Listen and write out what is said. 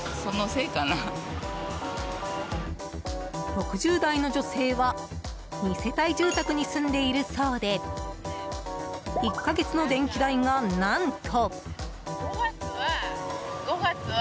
６０代の女性は２世帯住宅に住んでいるそうで１か月の電気代が、何と。